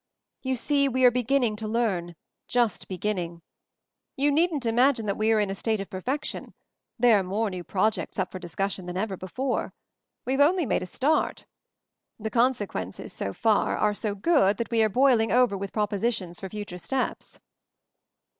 You see, we are beginning to learn— just beginning. You needn't imagine that we are in a state of perfection — there are more new projects up for discussion than ever before. We've only made a start. The consequences, so far, are so good that we are boiling over with propositions for future steps."